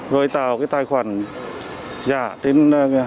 rồi tạo cái tài khoản giả